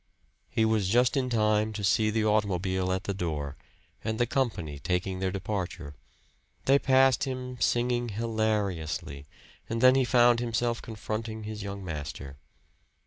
He was just in time to see the automobile at the door, and the company taking their departure. They passed him, singing hilariously; and then he found himself confronting his young master.